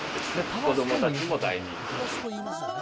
子どもたちにも大人気です。